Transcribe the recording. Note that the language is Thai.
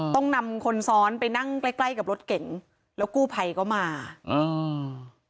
ต้องนำคนซ้อนไปนั่งใกล้ใกล้กับรถเก่งแล้วกู้ภัยก็มาอ่า